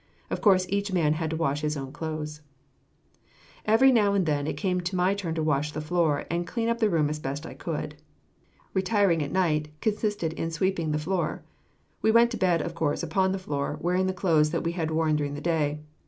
Of course, each man had to wash his own clothes. Every now and then it came my turn to wash the floor, and clean up the room as best I could. Retiring at night, consisted in sweeping the floor. We went to bed, of course, upon the floor, wearing the clothes that we had worn during the day.